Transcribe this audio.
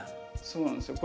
そうなんですよ。